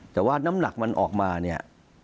แต่ว่าน้ำหนักมันออกมาเนี่ย